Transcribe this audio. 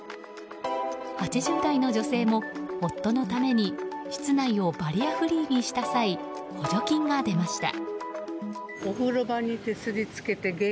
８０代の女性も夫のために室内をバリアフリーにした際補助金が出ました。